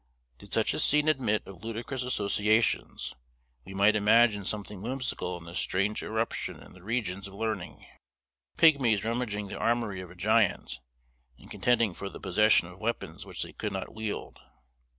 Did such a scene admit of ludicrous associations, we might imagine something whimsical in this strange irruption in the regions of learning. Pigmies rummaging the armory of a giant, and contending for the possession of weapons which they could not wield.